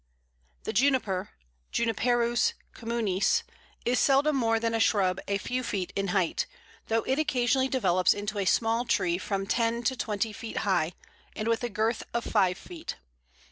] The Juniper (Juniperus communis) is seldom more than a shrub a few feet in height, though it occasionally develops into a small tree from ten to twenty feet high, and with a girth of five feet.